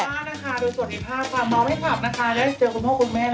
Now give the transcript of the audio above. โดยสวัสดีภาพค่ะมองให้ถับนะคะและเจอกับพ่อคุณแม่